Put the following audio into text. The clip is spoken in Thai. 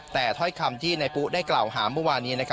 แต่ถ้อยคำที่นายปุ๊ได้กล่าวหาเมื่อวานี้